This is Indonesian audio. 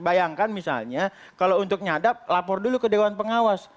bayangkan misalnya kalau untuk nyadap lapor dulu ke dewan pengawas